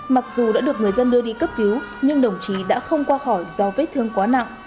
mặc dù đã được người dân đưa đi cấp cứu nhưng đồng chí đã không qua khỏi do vết thương quá nặng